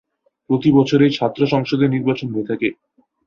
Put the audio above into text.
প্রতি বছর এই ছাত্র সংসদে নির্বাচন হয়ে থাকে।